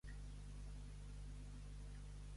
Part això.